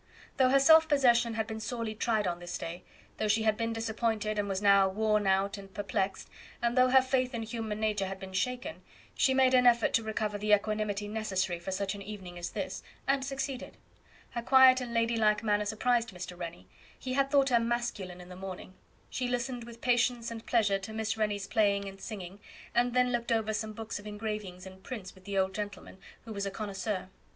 Though her self possession had been sorely tried on this day, though she had been disappointed, and was now worn out and perplexed, and though her faith in human nature had been shaken, she made an effort to recover the equanimity necessary for such an evening as this, and succeeded. Her quiet and lady like manner surprised Mr. Rennie; he had thought her masculine in the morning. She listened with patience and pleasure to Miss Rennie's playing and singing, and then looked over some books of engravings and prints with the old gentleman, who was a connoisseur.